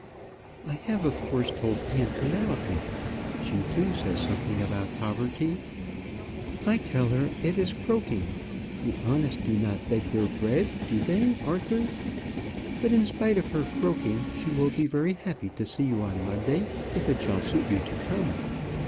I have, of course, told aunt Penelope. She, too, says something about poverty. I tell her it is croaking. The honest do not beg their bread; do they, Arthur? But in spite of her croaking, she will be very happy to see you on Monday, if it shall suit you to come.